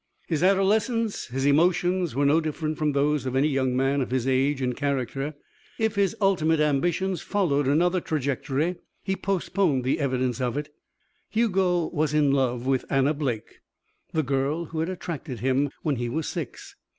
His adolescence, his emotions, were no different from those of any young man of his age and character. If his ultimate ambitions followed another trajectory, he postponed the evidence of it. Hugo was in love with Anna Blake, the girl who had attracted him when he was six.